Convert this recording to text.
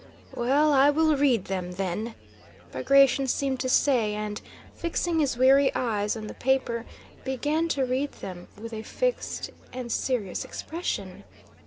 "Well, I will read them, then!" Bagratión seemed to say, and, fixing his weary eyes on the paper, began to read them with a fixed and serious expression.